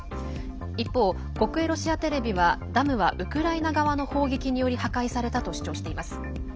一方、国営ロシアテレビはダムはウクライナ側の砲撃により破壊されたと主張しています。